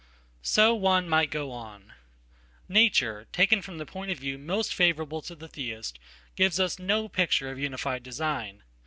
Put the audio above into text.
So one might go on. Nature taken from the point of view mostfavorable to the Theist gives us no picture of unified design.